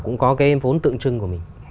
cũng có cái vốn tượng trưng của mình